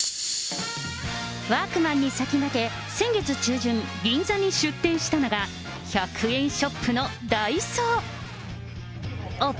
ワークマンに先駆け、先月中旬、銀座に出店したのが、１００円ショップのダイソー。